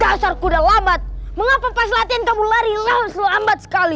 dasar kuda lambat mengapa pas latihan kamu lari lawan selambat sekali